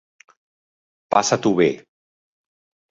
Passa-t'ho bé.